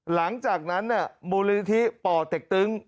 หลังจากที่มูลนิธิป่อเต็กตึง